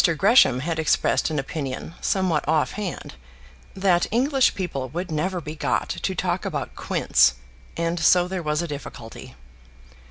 Gresham had expressed an opinion, somewhat off hand, that English people would never be got to talk about quints, and so there was a difficulty.